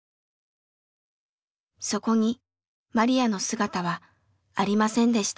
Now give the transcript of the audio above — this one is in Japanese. そこにマリヤの姿はありませんでした。